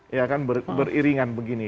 ya kan beriringan begini